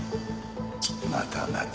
またまた。